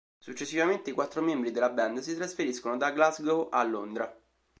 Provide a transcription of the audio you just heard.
Successivamente i quattro membri della band si trasferiscono da Glasgow a Londra.